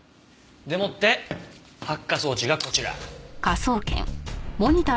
でもって発火装置がこちら。